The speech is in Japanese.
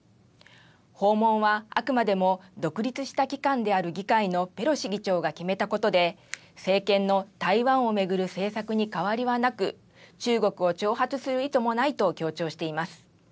訪問は、あくまでも独立した機関である議会のペロシ議長が決めたことで政権の台湾を巡る政策に変わりはなく中国を挑発する意図もないと強調しています。